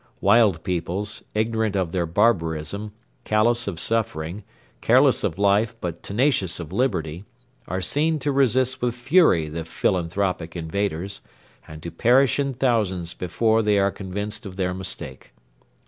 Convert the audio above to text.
Wild peoples, ignorant of their barbarism, callous of suffering, careless of life but tenacious of liberty, are seen to resist with fury the philanthropic invaders, and to perish in thousands before they are convinced of their mistake.